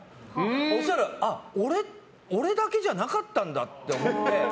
そしたら、俺だけじゃなかったんだって思って。